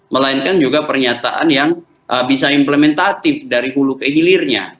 melainkan juga pernyataan yang bisa implementatif dari hulu kehilirnya